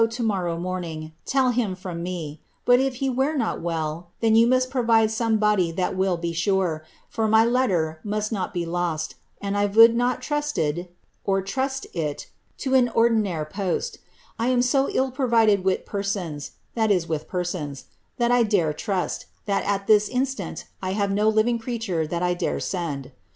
•» nuirow morning, tel him fruni me ; but if he wher not well, then you must pio* Tide some bodic that will be sure, for my lettre must not be lost, and I Toad not inuleH (trust it) to an ordinairt post I am so ill provided whitt penomna (with persons) tliat I dare trust, that at this instant I have no living creature that I dare send.